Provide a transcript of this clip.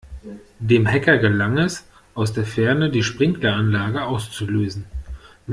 Dem Hacker gelang es, aus der Ferne die Sprinkleranlage auszulösen.